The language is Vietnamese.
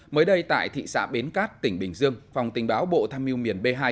mới đây tại thị xã bến cát tỉnh bình dương phòng tình báo bộ tham mưu miền b hai